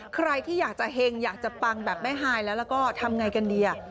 ใครที่อยากจะแห่งอยากจะปังแบบแม่หายแล้วก็ทำไงกันดีอ่ะ